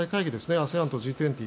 ＡＳＥＡＮとＧ２０